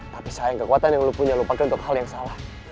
tapi sayang kekuatan yang lo punya lo pake untuk hal yang salah